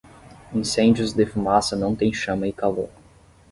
Incêndios de fumaça não têm chama e calor.